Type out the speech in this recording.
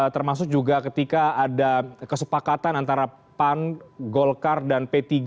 termasuk juga ketika ada kesepakatan antara pan golkar dan p tiga